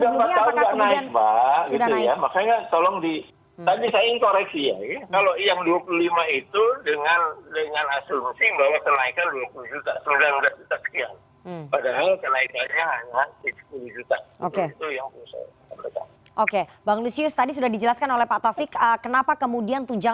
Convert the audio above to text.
bukan soal itu saja masih ada beberapa yang